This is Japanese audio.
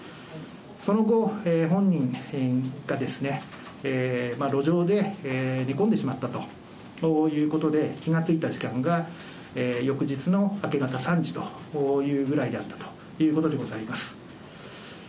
その後、本人がですね、路上で寝込んでしまったということで、気が付いた時間が翌日の明け方３時というぐらいであったということでございます。